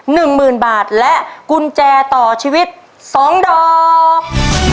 ๑หมื่นบาทและกุญแจต่อชีวิต๒ดอก